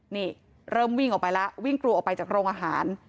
นี่เริ่มวิ่งออกไปแล้ววิ่งกลัวออกไปจากโรงอาหาร